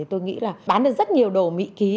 tôi nghĩ là bán được rất nhiều đồ mỹ ký